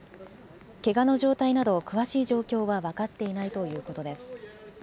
けがの状態など詳しい状況は分かっていないということです。